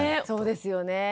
そうですよね。